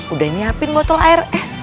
udah nyiapin botol air